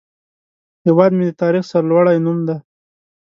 هیواد مې د تاریخ سرلوړی نوم دی